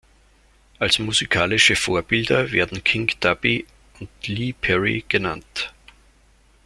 Als musikalische Vorbilder werden King Tubby und Lee Perry genannt.